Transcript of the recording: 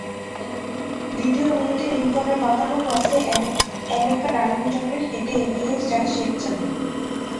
দ্বিতীয় মিনিটে লিংকনের বাঁকানো ক্রসে এমেকা ডার্লিংটনের হেডে এগিয়ে যায় শেখ জামাল।